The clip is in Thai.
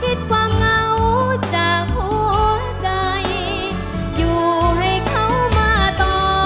คิดความเหงาจากหัวใจอยู่ให้เขามาต่อ